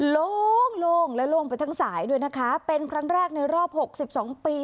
โล่งโล่งและโล่งไปทั้งสายด้วยนะคะเป็นครั้งแรกในรอบหกสิบสองปี